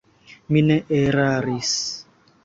Mi ne eraris.